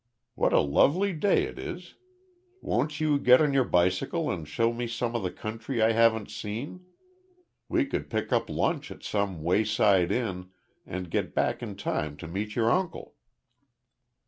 What a lovely day it is. Won't you get on your bicycle and show me some of the country I haven't seen? We could pick up lunch at some wayside inn, and get back in time to meet your uncle."